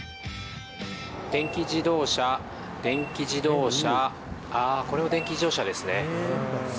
電気自動車、電気自動車、これも電気自動車ですね。